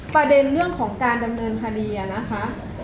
ประเด็นเรื่องของการดำเนินคดีนะคะ